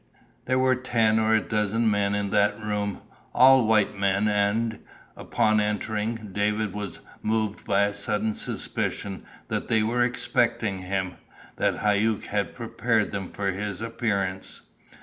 There were ten or a dozen men in that room, all white men, and, upon entering, David was moved by a sudden suspicion that they were expecting him that Hauck had prepared them for his appearance.